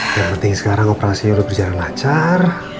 yang penting sekarang operasinya sudah berjalan lancar